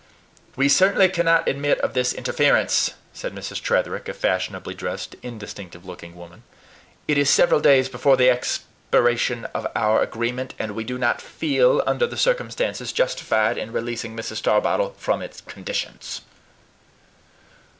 "We certainly cannot admit of this interference," said Mrs. Tretherick, a fashionably dressed, indistinctive looking woman. "It is several days before the expiration of our agreement; and we do not feel, under the circumstances, justified in releasing Mrs. Starbottle from its conditions."